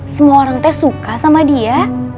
semua orang teh suka sama dia